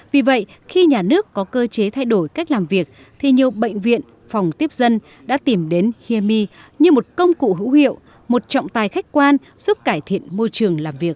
vì vậy khi nhà nước có cơ chế thay đổi cách làm việc thì nhiều bệnh viện phòng tiếp dân đã tìm đến hiêmi như một công cụ hữu hiệu một trọng tài khách quan giúp cải thiện môi trường làm việc